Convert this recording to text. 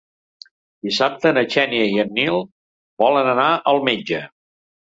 Dissabte na Xènia i en Nil volen anar al metge.